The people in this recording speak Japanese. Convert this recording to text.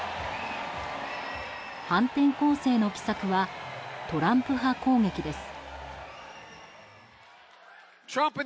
反転攻勢の奇策はトランプ派攻撃です。